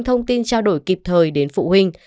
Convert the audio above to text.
thông tin trao đổi kịp thời đến phụ huynh